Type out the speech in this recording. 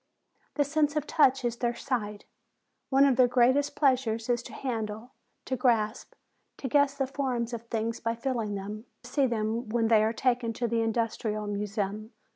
The sense of touch is their sight. One of their greatest pleasures is to handle, to grasp, to guess the forms of things by feeling them. It is affecting to see them when they are taken to the Industrial Museum.